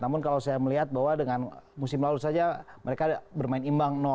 namun kalau saya melihat bahwa dengan musim lalu saja mereka bermain imbang